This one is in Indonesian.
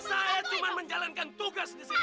saya cuma menjalankan tugas disini